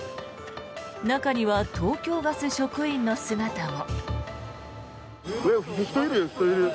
中には東京ガス職員の姿も。